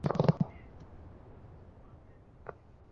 তুই আমার জগতটাকে ধ্বংস করেছিস।